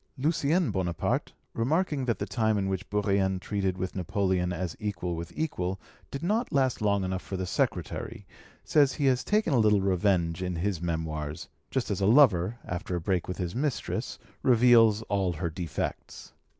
Lucien Bonaparte, remarking that the time in which Bourrienne treated with Napoleon as equal with equal did not last long enough for the secretary, says he has taken a little revenge in his Memoirs, just as a lover, after a break with his mistress, reveals all her defects.